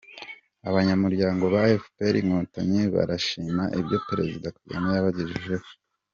Abanyamuryango ba efuperi Inkotanyi barashima ibyo Perezida Kagame yabagejejeho